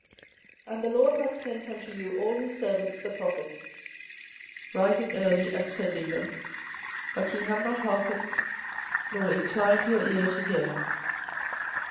24:025:004 And the LORD hath sent unto you all his servants the prophets, rising early and sending them; but ye have not hearkened, nor inclined your ear to hear.